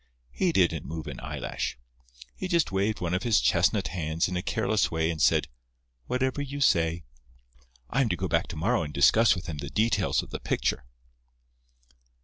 He didn't move an eyelash. He just waved one of his chestnut hands in a careless way, and said, 'Whatever you say.' I am to go back to morrow and discuss with him the details of the picture."